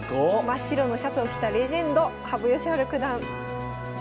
真っ白のシャツを着たレジェンド羽生善治九段。